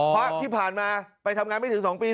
เพราะที่ผ่านมาไปทำงานไม่ถึง๒ปี